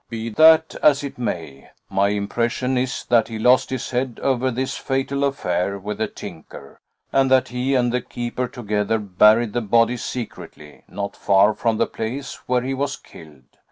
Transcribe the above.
Be that as it may, my impression is that he lost his head over this fatal affair with the tinker, and that he and the keeper together buried the body secretly, not far from the place where he was killed.